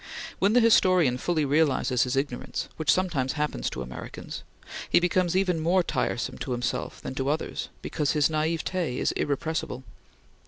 When the historian fully realizes his ignorance which sometimes happens to Americans he becomes even more tiresome to himself than to others, because his naivete is irrepressible.